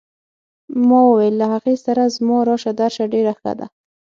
ما وویل له هغې سره زما راشه درشه ډېره ښه ده.